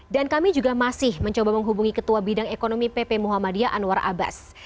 dan kami juga masih mencoba menghubungi ketua bidang ekonomi pp muhammadiyah anwar abbas